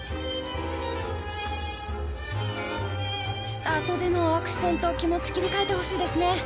スタートでのアクシデント気持ちを切り替えてほしいです。